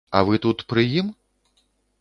А вы тут пры ім?